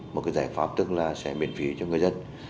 một cái giải pháp tức là sẽ miễn phí cho người dân